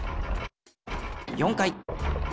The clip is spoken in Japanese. ４回。